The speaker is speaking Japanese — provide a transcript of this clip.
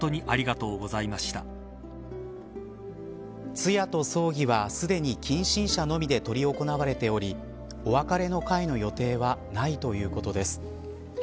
通夜と葬儀はすでに近親者のみで執り行われておりお別れの会の予定はないということです。